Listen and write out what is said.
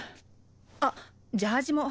あっジャージも。